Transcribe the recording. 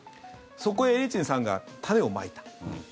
そこへエリツィンさんが種をまいた。